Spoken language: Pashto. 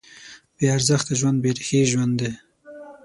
بېارزښته ژوند بېریښې ژوند دی.